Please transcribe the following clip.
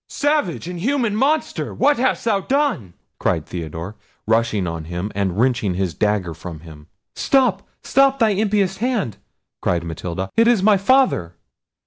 "Savage, inhuman monster, what hast thou done!" cried Theodore, rushing on him, and wrenching his dagger from him. "Stop, stop thy impious hand!" cried Matilda; "it is my father!"